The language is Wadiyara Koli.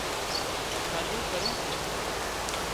کاڌي پري سي